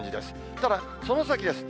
ただ、その先です。